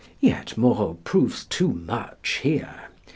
Yet Moreau proves too much here.